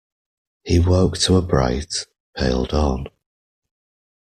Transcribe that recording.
He woke to a bright, pale dawn.